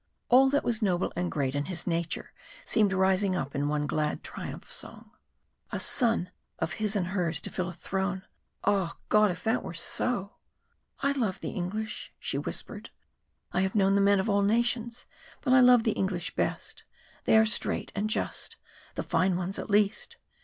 All that was noble and great in his nature seemed rising up in one glad triumph song. A son of his and hers to fill a throne! Ah! God, if that were so! "I love the English," she whispered. "I have known the men of all nations but I love the English best. They are straight and just the fine ones at least.